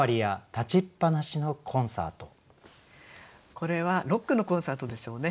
これはロックのコンサートでしょうね。